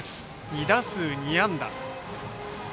２打数２安打。